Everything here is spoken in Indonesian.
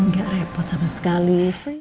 gak repot sama sekali